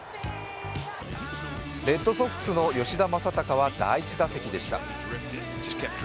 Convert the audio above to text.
レッドソックスの吉田正尚は第１打席でした。